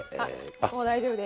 あっもう大丈夫です。